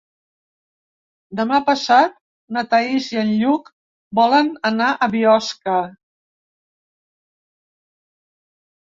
Demà passat na Thaís i en Lluc volen anar a Biosca.